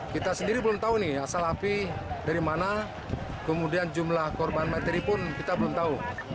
kita sendiri belum tahu nih asal api dari mana kemudian jumlah korban materi pun kita belum tahu